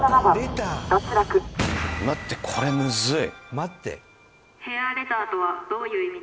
「待ってこれむずい」